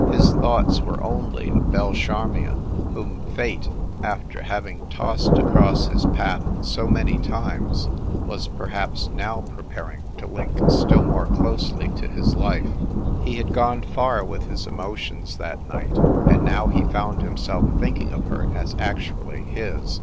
His thoughts were only of Belle Charmion, whom fate, after having tossed across his path so many times, was perhaps now pre paring to link still more closely to his life. He had gone far with his emotions that night, and now he found himself thinking of her as actually his.